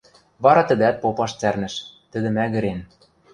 Вара тӹдӓт попаш цӓрнӹш, тӹдӹ мӓгӹрен...